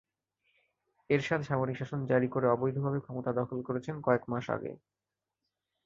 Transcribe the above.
এরশাদ সামরিক শাসন জারি করে অবৈধভাবে ক্ষমতা দখল করেছেন কয়েক মাস আগে।